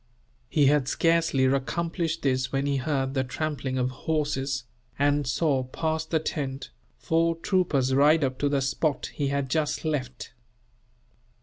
He had scarcely accomplished this when he heard the trampling of horses; and saw, past the tent, four troopers ride up to the spot he had just left.